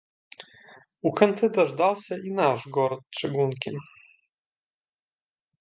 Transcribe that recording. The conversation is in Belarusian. У канцы даждаўся і наш горад чыгункі.